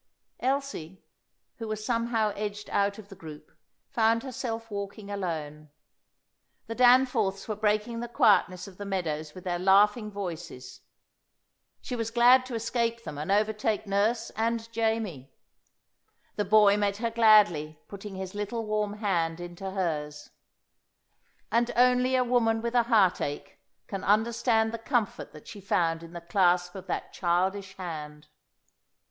Elsie, who was somehow edged out of the group, found herself walking alone. The Danforths were breaking the quietness of the meadows with their laughing voices. She was glad to escape them and overtake nurse and Jamie. The boy met her gladly, putting his little warm hand into hers. And only a woman with a heartache can understand the comfort that she found in the clasp of that childish hand.